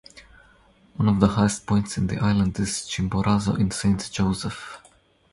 One of the highest points in the island is Chimborazo in Saint Joseph.